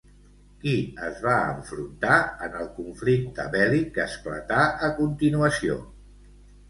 Qui es va enfrontar en el conflicte bèl·lic que esclatà a continuació?